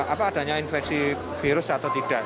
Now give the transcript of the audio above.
apa adanya infeksi virus atau tidak